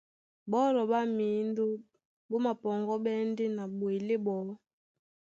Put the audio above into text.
Ɓɔ́lɔ ɓá mǐndó ɓó mapɔŋgɔ́ɓɛ́ ndé na ɓwelé ɓɔɔ́.